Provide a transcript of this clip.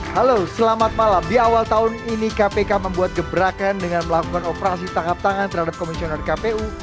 halo selamat malam di awal tahun ini kpk membuat gebrakan dengan melakukan operasi tangkap tangan terhadap komisioner kpu